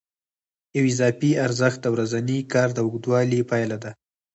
یو اضافي ارزښت د ورځني کار د اوږدوالي پایله ده